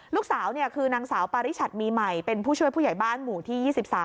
ลูกสาวคือนางสาวปาริชัดมีใหม่เป็นผู้ช่วยผู้ใหญ่บ้านหมู่ที่๒๓